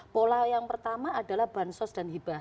pola yang pertama adalah bansos dan hibah